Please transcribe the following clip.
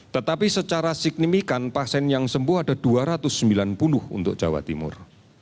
tetapi secara signifikan pasien yang sembuh ada dua ratus sembilan puluh untuk jawa timur